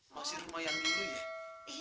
masih rumah yang dulu ya